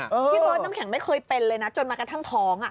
พี่เบิร์ดน้ำแข็งไม่เคยเป็นเลยนะจนมากระทั่งท้อง